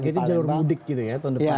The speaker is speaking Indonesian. targetnya jalur mudik gitu ya tahun depannya